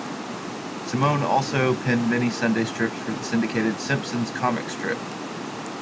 Simone also penned many Sunday strips for the syndicated "Simpsons" comic strip.